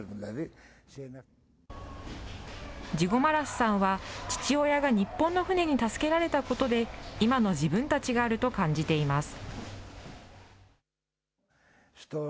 ジゴマラスさんは、父親が日本の船に助けられたことで、今の自分たちがあると感じています。